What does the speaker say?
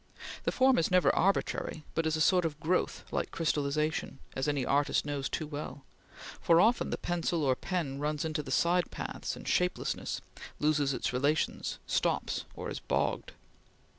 The form is never arbitrary, but is a sort of growth like crystallization, as any artist knows too well; for often the pencil or pen runs into side paths and shapelessness, loses its relations, stops or is bogged.